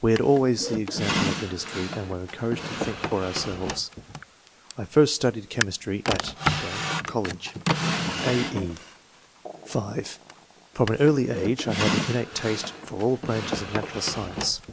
We had always the example of industry, and were encouraged to think for ourselves. I first studied chemistry at .... College." (a, e) (5) From an early age I had an innate taste for all branches of natural science.